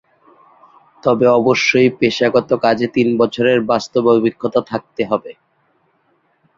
তবে অবশ্যই পেশাগত কাজে তিন বছরের বাস্তব অভিজ্ঞতা থাকতে হবে।